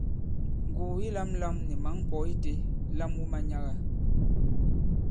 Ngùgù yi lāmlām ni mǎŋ ŋkwɔ̌ itē, lam wu manyaga!